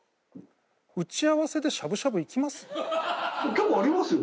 結構ありますよ。